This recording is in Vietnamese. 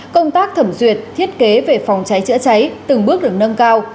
công tác thẩm duyệt thiết kế về phòng cháy chữa cháy từng bước được nâng cao